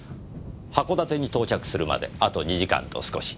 函館に到着するまであと２時間と少し。